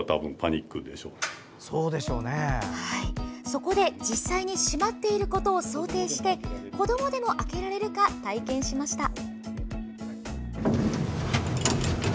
そこで、実際に閉まっていることを想定して子どもでも開けられるか体験しました。